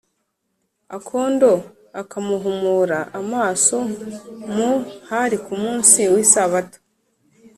Akondo akamuhumura amaso m hari ku munsi w isabato